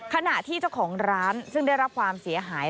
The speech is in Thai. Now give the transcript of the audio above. ขณะที่เจ้าของร้านซึ่งได้รับความเสียหาย